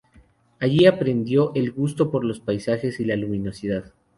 Allí aprendió el gusto por los paisajes y la luminosidad.